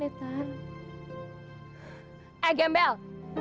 gak ada yang gembel